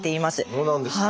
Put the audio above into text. そうなんですか。